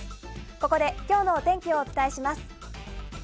ここで今日のお天気をお伝えします。